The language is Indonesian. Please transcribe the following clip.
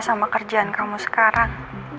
sama kerjaan kamu sekarang